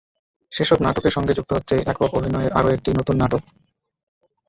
সেসব নাটকের সঙ্গে যুক্ত হচ্ছে একক অভিনয়ের আরও একটি নতুন নাটক।